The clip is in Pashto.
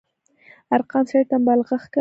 ارقام سړي ته مبالغه ښکاري.